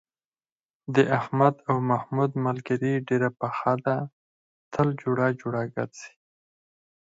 د احمد او محمود ملگري ډېره پخه ده، تل جوړه جوړه گرځي.